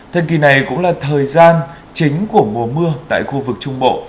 thời kỳ này cũng là thời gian chính của mùa mưa tại khu vực trung bộ